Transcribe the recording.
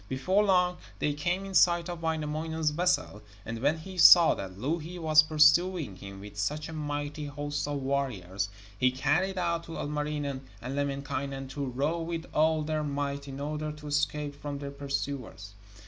Before long they came in sight of Wainamoinen's vessel, and when he saw that Louhi was pursuing him with such a mighty host of warriors, he cried out to Ilmarinen and Lemminkainen to row with all their might, in order to escape from their pursuers.